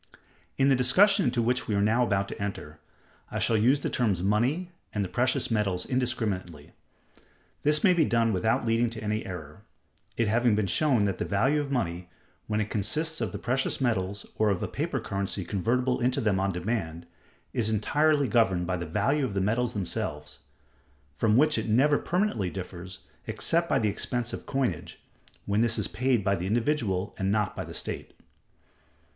In the discussion into which we are now about to enter, I shall use the terms money and the precious metals indiscriminately. This may be done without leading to any error; it having been shown that the value of money, when it consists of the precious metals, or of a paper currency convertible into them on demand, is entirely governed by the value of the metals themselves: from which it never permanently differs, except by the expense of coinage, when this is paid by the individual and not by the state.